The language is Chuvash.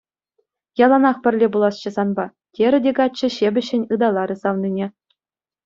Яланах пӗрле пуласчӗ санпа, — терӗ те каччӑ ҫепӗҫҫӗн ыталарӗ савнине.